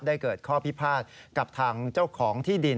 เกิดข้อพิพาทกับทางเจ้าของที่ดิน